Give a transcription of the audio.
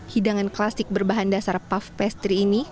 hidangan klasik berbahan dasar puff pastry ini